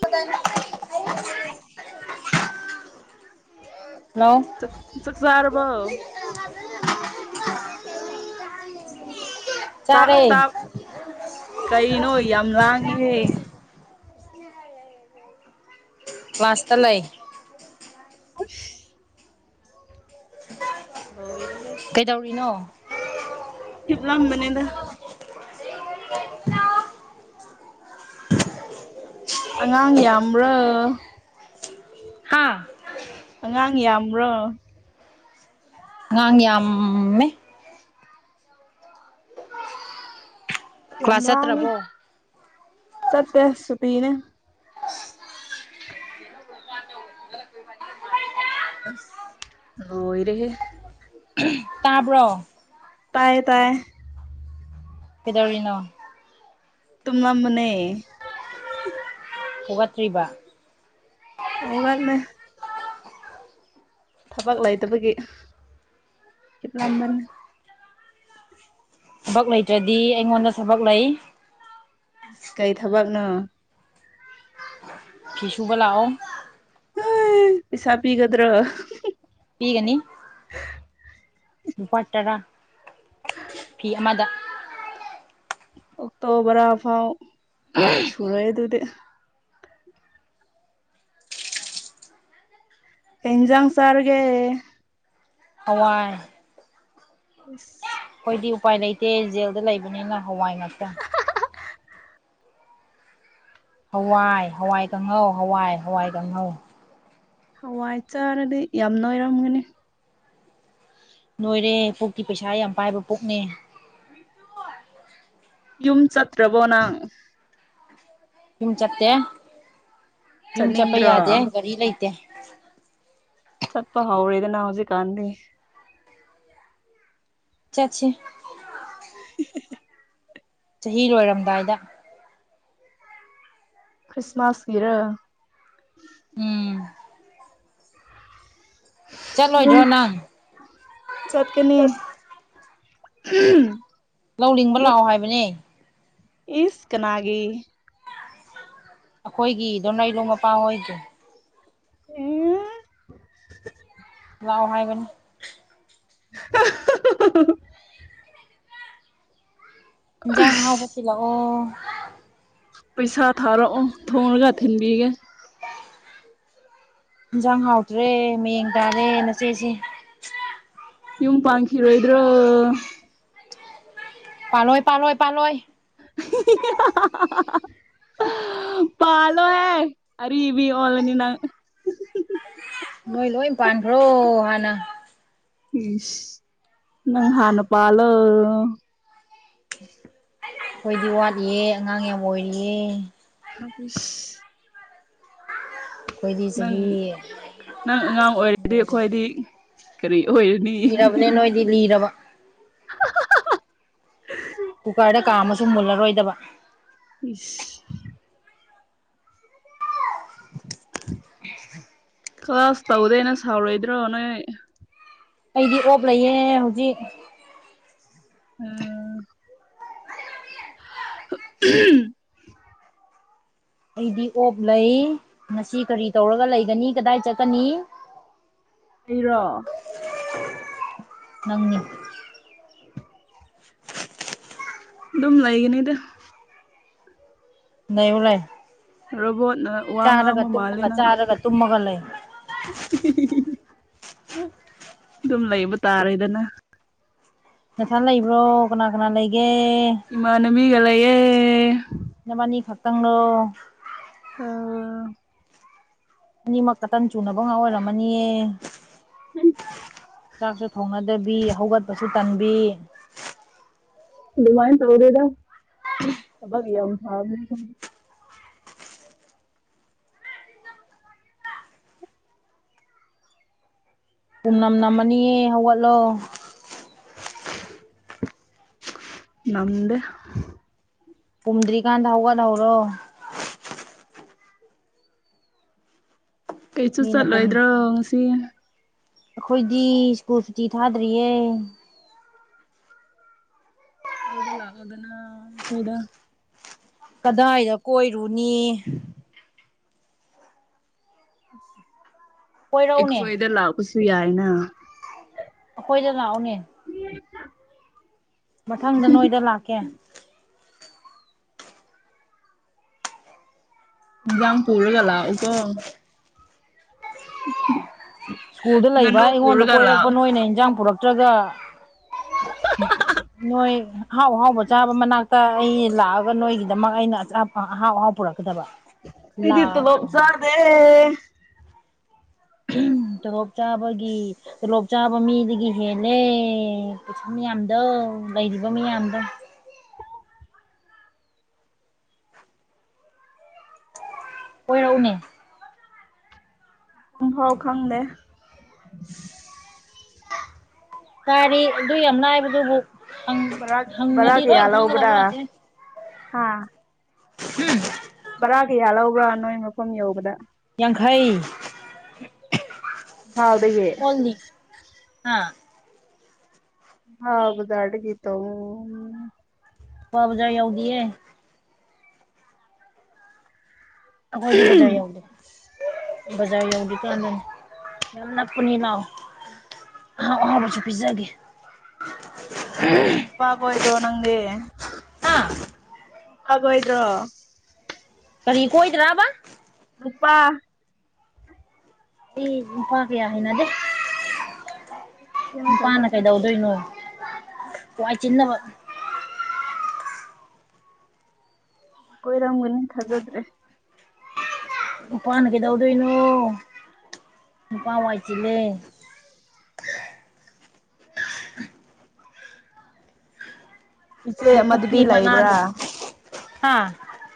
ꯍꯇꯥꯏ [unintelligible] ꯍꯁꯥ hello ꯆ ꯆꯛꯆꯔꯔꯕꯥꯎ ꯆꯥꯔꯦ ꯀꯩꯅꯣ ꯌꯥꯝ ꯂꯥꯡꯉꯦꯍꯦ ꯀꯥꯁꯇꯥ ꯂꯩ ꯈꯁ [unintelligible] ꯂꯣꯔꯍꯩ ꯀꯩꯗꯧꯔꯤꯅꯣ ꯍꯞꯂꯃ ꯕ꯭ꯔꯃꯅꯦꯗ [unintelligible] ꯑꯉꯥꯡ ꯌꯥꯝꯕ꯭ꯔꯥ ꯍꯥꯥ ꯑꯉꯥꯡ ꯌꯥꯝ꯭ꯔꯣ ꯉꯥꯡꯥꯡ ꯌꯥꯝꯃꯦ ꯌꯥꯝ ꯀ꯭ꯂꯥꯁ ꯋꯥꯡꯉꯦ ꯆꯠꯇ꯭ꯔꯕꯣ ꯆꯠꯇ ꯁꯄꯤꯤꯅ ꯑ ꯍ ꯏꯔꯦꯍꯦ ꯇꯥꯕ꯭ꯔꯣ ꯇꯥꯏꯌꯦ ꯇꯥꯏ ꯀꯗꯧꯔꯤꯅꯣ ꯇꯨꯅ ꯃꯅꯦ ꯍꯧꯒꯠꯇ꯭ꯔꯤꯕ ꯑꯣꯒꯜꯅꯦ ꯊꯕꯛ ꯂꯩꯇꯕꯒꯤ ꯍꯤꯞꯂꯝꯝꯕꯟ ꯊꯕꯛ ꯂꯩꯇ꯭ꯔꯗꯤ ꯑꯩꯉꯣꯟꯗ ꯊꯕꯛ ꯂꯩ ꯀꯩ ꯊꯕꯛꯅꯣ ꯐꯤꯁꯨꯨꯕ ꯂꯑꯣ ꯄꯁꯕꯤꯤꯒꯗ꯭ꯔ ꯄꯤꯒꯅꯤ ꯂꯨꯄꯥ ꯇꯔꯥ ꯐꯤ ꯑꯃꯗ ꯑꯣꯛꯇꯣ ꯕꯔꯥ ꯐꯥꯎ ꯁꯨꯔꯦ ꯑꯗꯨꯗꯤ ꯍꯖꯥꯡ ꯁꯥꯔꯒꯦ ꯑꯋꯥꯏ ꯁ ꯗꯤ ꯎꯄꯥꯏ ꯂꯩꯇꯦ ꯖꯦꯜꯗ ꯂꯩꯕꯅꯤꯅ ꯍꯋꯥꯏ ꯉꯥꯛꯇ ꯍꯋꯥꯏ ꯍꯋꯥꯏꯒꯪꯍꯧ ꯍꯋꯥꯏ ꯍꯋꯥꯏ ꯈꯍꯧ ꯍꯋꯥꯏ ꯆꯥꯔꯗꯤ ꯌꯥꯝꯅꯣꯏꯔꯝꯒꯅꯤ ꯅꯣꯏꯔꯦ ꯄꯨꯛꯀꯤ ꯄꯩꯁꯥ ꯌꯥꯝ ꯄꯥꯏꯕ ꯄꯨꯛꯅꯦ ꯌꯨꯝ ꯆꯠꯇ꯭ꯔꯕꯣ ꯅꯪ ꯌꯨꯝ ꯆꯠꯇꯦ ꯌꯨꯝ ꯆꯠꯄ ꯆꯠꯅꯤꯡꯗ꯭ꯔꯣ ꯌꯥꯗꯦ ꯒꯥꯔꯤ ꯂꯩꯇꯦ [unintelligible] ꯆꯠꯄ ꯍꯧꯥꯎꯗ ꯅ ꯍꯧꯖꯤ ꯀꯥꯟꯗꯤ ꯆꯠꯁꯤ ꯆꯍꯤ ꯂꯣꯏꯔꯝꯗꯥꯏꯗ ꯈ꯭ꯔꯤꯁꯃꯥꯁ ꯏꯔꯣ ꯎꯝ ꯌ ꯆꯠꯂꯣꯏꯗ꯭ꯔꯣ ꯅꯪ ꯆꯠꯀꯅꯤ ꯝ ꯂꯧꯅꯤꯡꯕ ꯂꯥꯛꯑꯣ ꯍꯥꯏꯕꯅꯦ ꯏꯁ ꯀꯅꯥꯒꯤ ꯑꯩꯈꯣꯏꯒꯤꯗꯣꯅ ꯏꯂꯣꯡ ꯃꯄ ꯑꯣꯏꯣꯏꯒꯦ ꯎꯝ ꯂꯥꯛ ꯋꯥꯉꯥꯏꯕꯅꯤ [unintelligible] ꯌꯥꯥꯡ ꯍꯥꯎ ꯄꯤ ꯂ ꯑꯣ ꯄꯩꯁꯥ ꯊꯥꯔꯛꯑꯣ ꯊꯣꯡꯔꯒ ꯊꯤꯟꯕꯤꯒꯦ ꯏꯟꯁꯥꯡ ꯍꯥꯎꯇ꯭ꯔꯦ ꯃꯌꯦꯡ ꯇꯥꯔꯦ ꯅꯆꯦꯁꯦ ꯌꯨꯝ ꯄꯥꯟꯈꯤꯔꯣꯏꯗ꯭ꯔꯥ ꯄꯜꯂꯣꯏ ꯄꯜꯣꯏ ꯄꯥꯣꯏ [unintelligible] ꯎ ꯄꯥ ꯂꯣ ꯑꯦ ꯑꯔꯤꯕꯤ ꯑꯣꯂꯅꯤꯅ ꯅꯣꯏ ꯂꯣꯏ ꯄꯥꯟꯈ꯭ꯔꯣ ꯍꯥꯟꯅ ꯏ ꯅꯪ ꯍꯅ ꯄꯂ [inaudible] ꯑꯩꯈꯣꯏꯗꯤ ꯋꯥꯠꯂꯤꯑ ꯑꯉꯥꯡ ꯌꯥꯝ ꯑꯣꯏꯔꯤꯌꯦ ꯊꯥ ꯄꯤꯁ ꯑꯩꯈꯣꯏꯗꯤ ꯅꯪ ꯆꯍꯤ ꯅꯪ ꯑꯉꯥꯡ ꯑꯣꯏꯔꯤꯗꯤ ꯑꯩꯈꯣꯏꯗꯤ ꯀꯔꯤ ꯑꯣꯏꯔꯅꯤ ꯂꯤꯔꯕꯅꯦ ꯅꯣꯏꯗꯤ ꯂꯤꯔꯕ ꯀꯨꯀꯔꯗ ꯀꯥꯝꯃꯁꯨ ꯃꯨꯜꯂꯔꯣꯏꯗꯕ ꯏꯁ ꯀ꯭ꯂꯥꯁ ꯇꯧꯗꯦꯅ ꯁꯥꯎꯔꯣꯏꯗ꯭ꯔꯣ ꯅꯣꯏ ꯑꯩꯗꯤ ꯑꯣꯞ ꯂꯩꯌꯦꯦ ꯍꯧꯖꯤꯛ ꯑꯥ ꯎ ꯑꯩꯗꯤ ꯑꯣꯞ ꯂꯩ ꯃꯁꯤ ꯀꯔꯤ ꯇꯧꯔꯒ ꯂꯩꯒꯅꯤ ꯀꯗꯥꯏ ꯆꯠꯀꯅꯤ ꯑꯩꯔꯣ ꯅꯪ ꯑꯗꯨꯝ ꯂꯩꯒꯅꯤꯗ ꯅ ꯎ ꯂꯩꯥꯏ ꯔꯣꯕꯣꯠ ꯋꯥ ꯉꯥꯡꯕ ꯃꯥꯂꯦ ꯅꯪ ꯆꯥꯔꯒ ꯇꯨꯝꯃꯒ ꯂꯩ ꯑꯗꯨꯝ ꯂꯩꯕ ꯇꯥꯔꯦꯗꯅ ꯅꯊꯥ ꯂꯩꯕ꯭ꯔꯣ ꯀꯅꯥ ꯀꯅꯥ ꯂꯩꯒꯦ ꯏꯃꯥꯅ ꯃꯤꯒꯑꯦ ꯅꯕꯥꯅꯤ ꯈꯛꯇꯪꯣ ꯑꯥ ꯑꯅꯤꯃꯛꯛꯇꯇꯟ ꯆꯨꯅꯕ ꯉ ꯑꯣꯏꯔꯝꯃꯅꯤꯌꯦ ꯎꯝ ꯆꯥꯛꯁꯨ ꯊꯣꯡꯅꯗꯕꯤ ꯍꯧꯒꯠꯄꯁꯨ ꯇꯟꯕꯤ ꯔꯃꯥꯏꯟ ꯇꯧꯗꯦꯗ ꯁꯕ ꯌꯥ ꯊꯥꯕꯅꯦ ꯄꯨꯝꯅꯝ ꯅꯝꯃꯅꯤꯌꯦ ꯍꯧꯒꯠꯂꯣ ꯅꯪꯗꯦ ꯀꯨꯝꯗ꯭ꯔꯤꯀꯥꯟꯗ ꯍꯧꯒꯠꯗ ꯍꯧꯔꯣ ꯀꯩꯁꯨ ꯃꯤꯅ ꯄꯨꯝ ꯆꯠꯂꯣꯏꯗ꯭ꯔꯣ ꯉꯁꯤ ꯑꯩꯈꯣꯏꯗꯤ ꯁ꯭ꯀꯨꯜ ꯁꯨꯇꯤ ꯊꯥꯗ꯭ꯔꯤꯌꯦ ꯀꯣꯏ ꯂ ꯑꯣꯗꯅ ꯀꯣꯏꯗ ꯀꯗꯥꯏꯗ ꯀꯣꯏꯔꯨꯅꯤ ꯀꯣꯏꯔꯛꯎꯅꯦ ꯑꯩꯈꯣꯏꯗ ꯂꯥꯛꯄꯁꯨ ꯌꯥꯏꯅ ꯈꯣꯏꯗ ꯂꯎꯅꯦ [unintelligible] ꯃꯊꯪꯗ ꯅꯣꯏꯗ ꯂꯥꯛꯀꯦ ꯖꯥꯡ ꯄꯨꯔꯒꯂ ꯎꯀꯣ ꯎꯝ ꯁ꯭ꯀꯨꯜꯗ ꯂꯩꯕ ꯑꯩꯉꯣꯟꯗ ꯀꯣꯏꯔꯛꯄ ꯅꯣꯏꯅ ꯏꯟꯁꯥꯡ ꯄꯨꯔꯛꯇ꯭ꯔꯒ ꯅꯣꯏ ꯑꯍꯥꯎ ꯑꯍꯥꯎꯕ ꯆꯥꯕ ꯃꯅꯥꯛꯇ ꯑꯩ ꯂꯥꯛꯑꯒ ꯅꯣꯏꯒꯤꯗꯃꯛ ꯑꯩꯅ ꯑꯍꯥꯎ ꯑꯍꯥꯎ ꯄꯨꯔꯛ ꯏꯠꯇ ꯋꯥꯞꯖꯥꯔꯗꯦ ꯇꯣꯂꯣꯞ ꯆꯥꯕꯒꯤ ꯇꯣꯂꯣꯞ ꯆꯥꯕ ꯃꯤꯗꯒꯤ ꯍꯦꯜꯂꯦꯩ ꯃꯤꯌꯥꯝꯗꯣ ꯂꯩꯔꯤꯕ ꯃꯤꯌꯥꯝꯗꯣ ꯑꯣ ꯑꯣꯏꯔꯛꯎꯅꯦ ꯄꯝꯐꯥꯎ ꯈꯪꯗꯦ ꯔꯤ ꯑꯗꯨ ꯌꯥꯝ ꯂꯅꯥꯏꯕꯗꯨꯕꯨ ꯕꯔꯥ ꯅ ꯔꯥꯡꯔ ꯋꯥꯁ ꯑꯥ ꯎꯝ ꯕꯔꯥ ꯀꯌꯥ ꯂꯧꯕ꯭ꯔꯥ ꯅꯣꯏ ꯃꯐꯝ ꯌꯧꯕꯗ ꯩ ꯏꯝꯐꯥꯜꯗꯒꯤ ꯍꯣꯜꯅꯤ ꯍꯥ ꯍꯥꯎꯕꯨꯗꯥꯗꯒ ꯇ ꯄꯕꯖꯏ ꯌꯥꯎꯗꯤ ꯑꯦ ꯑꯩꯈꯣꯏꯗꯤ ꯖꯥꯏ ꯌꯥꯎꯗ ꯕꯖꯥꯔ ꯌꯧꯗꯤ ꯀꯥꯟꯗꯅꯤ ꯌꯥꯝ ꯅꯥꯄꯨꯅꯤ ꯂꯥꯛꯥꯎꯑꯣ ꯑ ꯋꯥꯕꯨꯁꯨ ꯄꯤꯖꯥꯒꯦ ꯑꯄꯥꯥ ꯑꯣꯏꯣꯏꯔꯣ ꯅꯪꯦ ꯍꯥ ꯂꯐ ꯀꯗ꯭ꯔ ꯀꯔꯤ ꯀꯣꯏꯗꯔꯥꯕ ꯎꯄꯥ ꯑꯩ ꯏꯄꯥ ꯀꯦ ꯌꯥ ꯍꯥꯏꯅ ꯗꯦ ꯊꯤꯒꯅꯨ ꯅꯨꯄꯥꯅ ꯊꯥꯖꯗ꯭ꯔꯦ ꯀꯩꯗꯧꯗꯣꯏꯅꯣ ꯋꯥꯏ ꯆꯤꯅꯕ ꯀꯣꯏꯔꯝꯒꯅꯤ ꯊꯥꯖꯗ꯭ꯔꯦ ꯅꯨꯄꯥꯅ ꯀꯩꯗꯧꯗꯣꯏꯅꯣ ꯅꯨꯄꯥ ꯋꯥꯏ ꯆꯤꯜꯂꯦ [unintelligible] ꯏꯆꯦ ꯎꯐꯤ ꯑꯃꯗꯨꯗꯤ ꯃꯅꯥ ꯂꯩꯕ꯭ꯔꯥ ꯑꯗꯨ ꯍꯥꯥ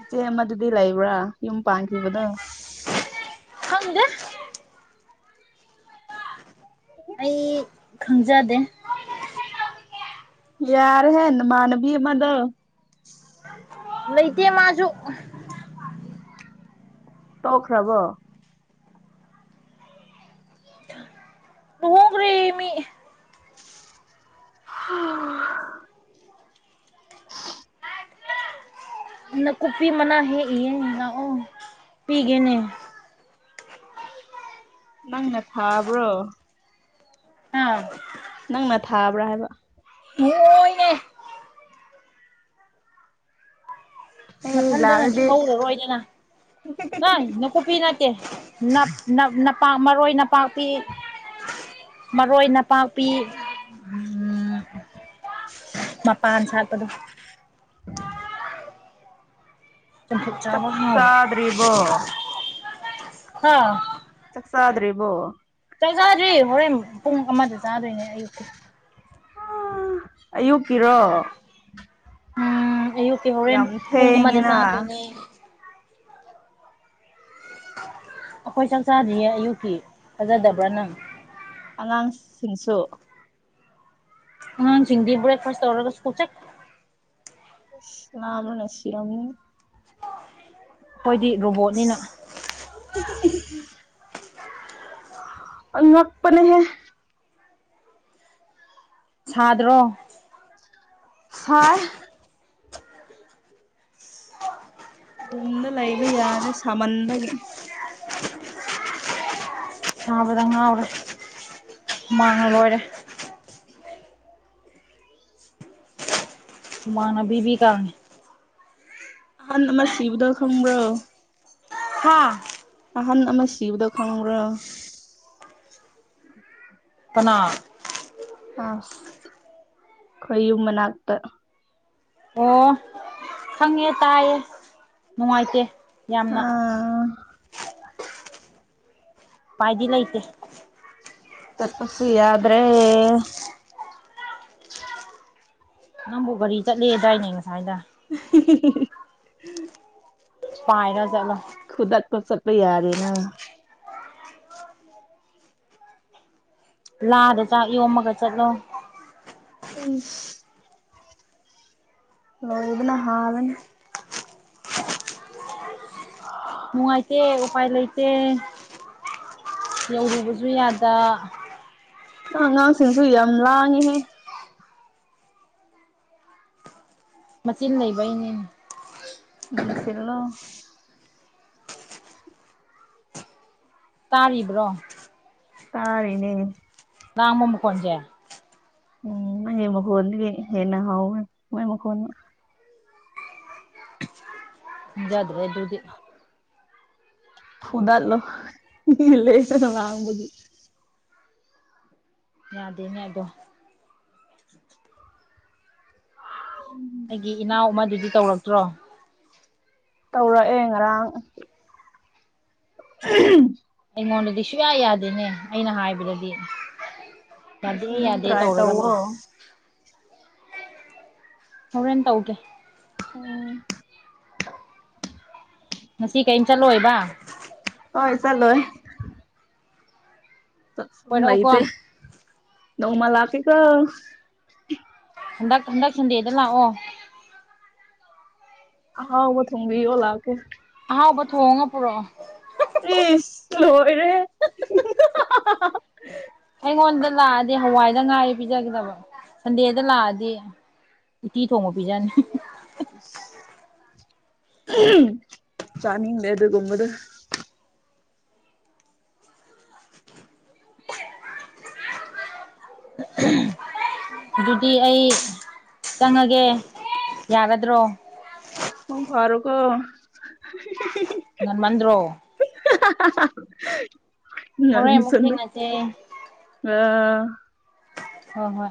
ꯏꯆꯦ ꯑꯃꯗꯨꯗꯤ ꯂꯩꯕ꯭ꯔꯥ ꯌꯨꯝ ꯄꯥꯟꯈꯤꯕꯗꯣ ꯍꯪꯗ ꯑꯣ ꯑꯩ ꯈꯪꯖꯗꯦ ꯌꯥꯔ ꯍꯥꯏꯅꯃꯅꯕꯤ ꯃꯗ ꯃꯗꯤꯃꯁꯨ ꯇꯧꯈ꯭ꯔꯕꯣ ꯇꯣꯡꯒ꯭ꯔꯦꯃꯤ ꯑꯣ ꯅꯥꯀꯨꯞꯄꯤ ꯃꯅꯥ ꯍꯦꯛꯏꯌꯦ ꯂꯥꯛꯑꯣ ꯄꯤꯒꯦꯅꯦ ꯅꯪꯅ ꯊꯥꯕ꯭ꯔꯣ ꯑꯥ ꯅꯪꯅ ꯊꯥꯕ꯭ꯔꯥ ꯍꯥꯏꯕ ꯂꯣꯏꯅꯦ ꯑꯩ ꯃꯊꯟꯇꯅꯗꯤ ꯂꯥꯛꯑꯗꯤ ꯍꯧꯔꯔꯣꯏꯗꯅ ꯅꯣꯏ ꯅꯥꯀꯨꯞꯄꯤꯅ ꯄꯥꯛ ꯃꯔꯣꯏ ꯅꯄꯥꯛꯄꯤ ꯃꯔꯣꯏ ꯅꯄꯥꯛꯄꯤ [unintelligible] ꯄꯥꯡ ꯁꯥꯄꯗ [unintelligible] ꯆ ꯆꯥꯛ ꯍ ꯆꯥꯗ꯭ꯔꯤꯕꯣ ꯍꯥ ꯆꯛꯁꯗ꯭ꯔꯤ ꯏꯕꯣ ꯆ ꯆꯗ꯭ꯔꯤ ꯍꯣꯔꯦꯟ ꯄꯨꯡ ꯑꯃꯗ ꯆꯥꯗꯣꯏꯅꯦ ꯑꯌꯨꯛꯇ ꯎ ꯑꯌꯨꯛꯀꯤꯔꯣ ꯎꯝ ꯑꯌꯨꯛꯀꯤ ꯍꯣꯔꯦꯟ ꯌꯥꯝ ꯄꯨꯡ ꯑꯃꯗ ꯊꯦꯡꯉꯤꯅ ꯆꯥꯗꯣꯏꯅꯦ ꯑꯩꯈꯣꯏ ꯆꯥꯛꯆꯥꯗꯤꯌꯦ ꯑꯌꯨꯛꯀꯤ ꯐꯖꯗꯕ꯭ꯔꯥ ꯅꯪ ꯑꯅꯥꯟ ꯁꯤꯡꯁꯨ ꯎ ꯁꯤꯗ ꯍꯣꯔꯦꯛꯐꯥꯁꯔꯒꯆ ꯅꯥꯃ ꯅꯁꯤꯔꯝ ꯑꯩꯈꯣꯏꯗꯤ ꯔꯣꯕꯣꯠꯅꯤꯅ [unintelligible] ꯑ ꯃꯄꯅꯦ ꯍꯦ ꯁꯥꯗ꯭ꯔꯣ ꯍꯥ ꯌꯨꯝꯗ ꯂꯩꯕ ꯌꯥꯔꯦ ꯁꯥꯃꯟꯕꯒꯤ ꯆꯥꯕꯗ ꯉꯥꯎꯔꯦ ꯃꯥꯡ ꯂꯣꯏꯔꯦ ꯃꯥꯅꯕꯤꯕꯤ ꯀꯥꯉꯦ ꯑ ꯃꯁꯤ ꯁꯤꯕꯗꯣ ꯈꯪꯕ꯭ꯔꯣ ꯍꯥꯥ ꯑꯍꯟ ꯑꯃ ꯁꯤꯕꯗꯣ ꯈꯪꯕ꯭ꯔꯥ ꯄꯅꯥ ꯑ ꯈꯌꯨꯝꯕꯅꯥꯛꯇ ꯑꯣ ꯁꯪꯉꯦ ꯇꯥꯏꯌꯦ ꯅꯨꯡꯉꯥꯏꯇꯦ ꯌꯥꯝꯅ ꯑ ꯄꯥꯏꯗꯤ ꯂꯏꯇꯦ ꯆꯄꯁꯤꯗ꯭ꯔꯦ ꯅꯪꯕꯨ ꯒꯥꯔꯤ ꯆꯠꯂꯦꯗꯥꯏꯅꯦ ꯉꯁꯥꯏꯗ [unintelligible] ꯄꯥꯏꯅ ꯆꯅ ꯈꯨꯗꯥꯛ ꯁꯄ ꯌꯥꯗꯦꯅ ꯂꯥꯗ ꯆꯥꯛ ꯌꯣꯝꯃꯒ ꯆꯠꯂꯣ ꯎꯝ ꯂꯣꯏꯕꯅ ꯍꯥꯕꯅꯤ ꯅꯨꯡꯉꯥꯏꯇꯦ ꯎꯄꯥꯏ ꯂꯩꯇꯦ ꯌꯔꯨꯕꯁꯨ ꯌꯥꯗ ꯑ ꯑꯉꯥꯡꯁꯤꯡꯁꯨ ꯌꯥꯝ ꯂꯥꯡꯉꯦꯍꯦ ꯃꯆꯤꯟ ꯂꯩꯕꯩꯅꯦꯅꯦ ꯃꯁꯤꯔꯂꯣ ꯇꯥꯔꯤꯕ꯭ꯔꯣ ꯇꯥꯔꯅꯦ [unintelligible] ꯀꯖꯦ ꯎꯝ ꯃꯩ ꯃꯒꯟꯕꯤ ꯌꯦꯅ ꯍꯥꯎ ꯃꯩ ꯃꯈꯣꯅ ꯖꯗ꯭ꯔꯦ ꯑꯗꯨ ꯑꯗꯨꯗꯤ ꯐꯗꯥꯠꯂꯣ [unintelligible] ꯉꯪꯕꯒꯤ ꯌꯥꯗꯅꯦꯗꯣ ꯑꯩꯒꯤ ꯏꯅꯥꯎ ꯑꯃꯗꯨꯗꯤ ꯇꯧꯔꯛꯇ꯭ꯔꯣ ꯇꯧꯔꯛꯑꯦ ꯉꯔꯥꯡ [unintelligible] ꯑꯩꯉꯣꯟꯗꯗꯤ ꯁꯨꯡꯌꯥ ꯌꯥꯗꯦꯅꯦ ꯑꯩꯅ ꯍꯥꯏꯕꯗꯗꯤ ꯌꯥꯗꯦ ꯉꯁꯤꯃꯨꯛ ꯌꯥꯗꯦ ꯇ꯭ꯔꯥꯏ ꯇꯧꯔꯒ ꯂꯩ ꯇꯧꯋꯣ ꯍꯣꯔꯦꯟ ꯇꯧꯒꯦ ꯑꯣ ꯉꯁꯤ ꯀꯔꯤꯝ ꯆꯠꯂꯣꯕ ꯍꯣꯏ ꯆꯠꯂꯣꯏ ꯇꯝ ꯂ ꯀꯣꯏꯔꯛꯎꯀꯣ ꯏꯇꯦ ꯅꯧꯃ ꯂꯀꯦꯀꯣ ꯍꯜꯗꯛ ꯍꯟꯗꯛ ꯁꯟꯗꯦꯗ ꯂꯥꯛ ꯑꯣ ꯑꯥꯎꯕ ꯊꯣꯡꯕꯤ ꯑꯣ ꯂꯥꯛꯀꯦ ꯑꯍꯥꯎꯕ ꯊꯣꯡꯉ ꯄꯨꯔꯣ ꯏꯁꯁ ꯂꯣꯏꯔꯦ ꯑꯩꯉꯣꯟꯗ ꯂꯥꯛꯑꯗꯤ ꯍꯋꯥꯏꯗ ꯉꯥꯏꯔꯤ ꯄꯤꯖꯒꯗꯕ ꯁꯟꯗꯦꯗ ꯂꯥꯛꯑꯗꯤ ꯎꯇꯤ ꯊꯣꯡꯕ ꯄꯤꯖꯅꯤ ꯎ ꯆꯥꯅꯤꯡꯗꯦ ꯑꯗꯨꯒꯨꯝꯕꯗꯨ ꯑꯗꯨꯗꯤ ꯑꯩ ꯆꯪꯉꯒꯦ ꯌꯥꯒꯗ꯭ꯔꯣ ꯃꯪꯐꯔꯣꯀꯣ ꯉꯟꯃꯜꯗ꯭ꯔꯣ [unintelligible] ꯍꯣꯔꯦꯟ ꯎꯟꯅ ꯑꯃꯨꯛ ꯆꯂ ꯊꯦꯡꯅꯁꯦ ꯑ ꯍꯣꯏ ꯍꯣꯏ